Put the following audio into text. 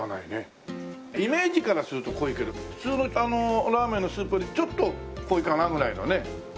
イメージからすると濃いけど普通のラーメンのスープよりちょっと濃いかなぐらいのね。